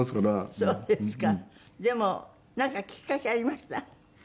でもなんかきっかけありました？